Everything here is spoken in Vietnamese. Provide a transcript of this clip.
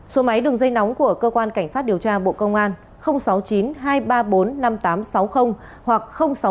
số máy đường dây nóng của cơ quan cảnh sát điều tra bộ công an sáu mươi chín hai trăm ba mươi bốn năm nghìn tám trăm sáu mươi hoặc sáu mươi chín hai trăm ba mươi hai